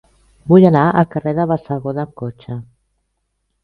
Vull anar al carrer de Bassegoda amb cotxe.